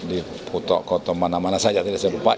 di putok kotok mana mana saja tadi saya lupa